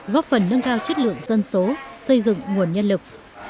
góp phần nâng cao chất lượng dân số xây dựng nguồn nhân lực